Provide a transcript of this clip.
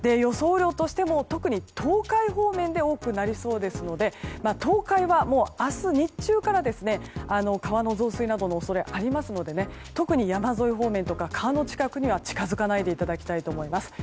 雨量としても特に東海方面で多くなりそうですので東海は明日日中から川の増水などの恐れがありますので特に山沿い方面とか川の近くには近づかないでいただきたいと思います。